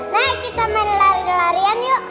nek kita main lari larian yuk